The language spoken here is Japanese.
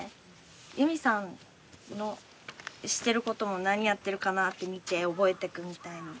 ユミさんのしてることも何やってるかな？って見て覚えていくみたいな。